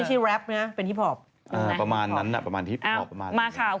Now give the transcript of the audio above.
แต่เขาอยู่เรื่องฮีพอปด้วย